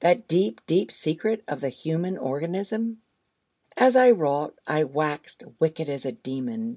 that deep, deep secret of the human organism? As I wrought, I waxed wicked as a demon!